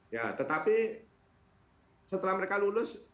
ya tetapi setelah mereka lulus